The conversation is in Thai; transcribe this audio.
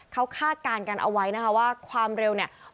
เขาคาดการณ์กันเอาไว้นะคะว่าความเร็วเนี่ย